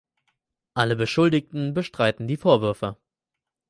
Alle Beschuldigten bestreiten die Vorwürfe.